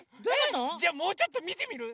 じゃあもうちょっとみてみる？